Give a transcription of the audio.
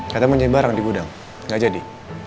katanya mau nyai barang di gudang nggak jadi